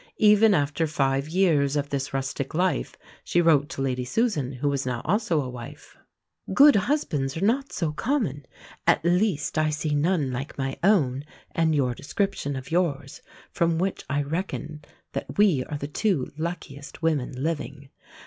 Even after five years of this rustic life she wrote to Lady Susan, who was now also a wife: "Good husbands are not so common, at least I see none like my own and your description of yours, from which I reckon that we are the two luckiest women living.